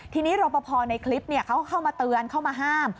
ทีนี้รอปภในคลิปเขาก็เข้ามาเตือนเข้ามาห้าม